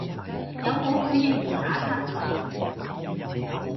有冇去應援打卡嗰啲